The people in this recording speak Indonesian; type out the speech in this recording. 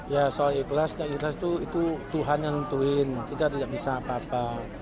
ya soal ikhlas ya ikhlas itu tuhan yang nentuin kita tidak bisa apa apa